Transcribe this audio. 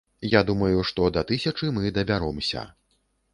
Я думаю, што да тысячы мы дабяромся.